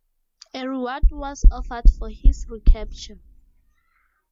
A reward was offered for his recapture.